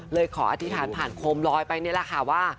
ขออธิษฐานผ่านโคมลอยไปนี่แหละค่ะว่า